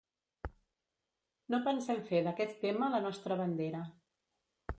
No pensem fer d’aquest tema la nostra bandera.